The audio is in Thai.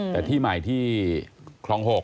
แต่ที่ใหม่ที่คลอง๖